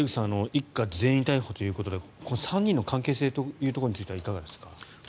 一家全員逮捕ということで３人の関係性というところについてはいかがですか？